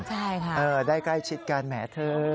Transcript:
ใช่ค่ะได้ใกล้ชิดกันแหมเธอ